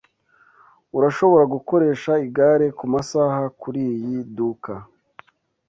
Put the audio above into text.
Urashobora gukoresha igare kumasaha kuriyi duka.